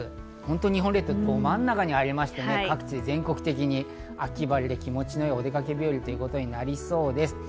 日本列島、ど真ん中に入りまして、各地、全国的に秋晴れで気持ちの良いお出かけ日和となりそうです。